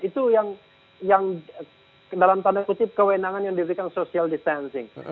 itu yang dalam tanda kutip kewenangan yang diberikan social distancing